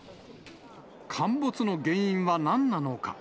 陥没の原因はなんなのか。